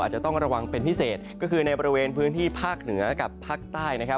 จะต้องระวังเป็นพิเศษก็คือในบริเวณพื้นที่ภาคเหนือกับภาคใต้นะครับ